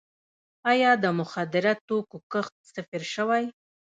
آیا د مخدره توکو کښت صفر شوی؟